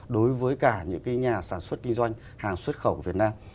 đối với cả những cái nhà sản xuất kinh doanh hàng xuất khẩu việt nam